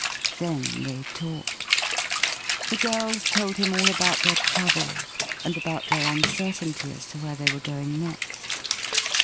Then they talked. The girls told him all about their travels and about their uncertainty as to where they were going next.